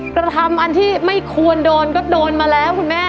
กระทำอันที่ไม่ควรโดนก็โดนมาแล้วคุณแม่